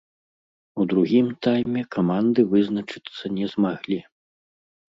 У другім тайме каманды вызначыцца не змаглі.